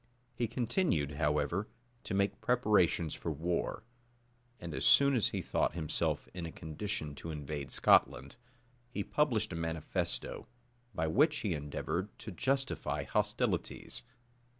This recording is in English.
He continued, however, to make preparations for war; and as soon as he thought himself in a condition to invade Scotland, he published a manifesto, by which he endeavored to justify hostilities.